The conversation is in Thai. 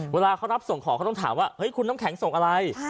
เวลาเขารับส่งของเขาต้องถามว่าเฮ้ยคุณน้ำแข็งส่งอะไร